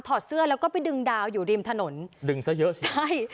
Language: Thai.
อดเสื้อแล้วก็ไปดึงดาวอยู่ริมถนนดึงซะเยอะสิใช่